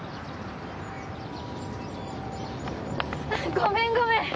ごめんごめん。